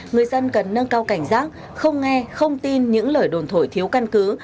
người dân cần nâng cao cảnh giác không nghe không tin những lời đồn thổi thiếu căn cứ